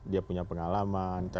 dia punya pengalaman